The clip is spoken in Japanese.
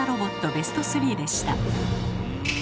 ベスト３でした。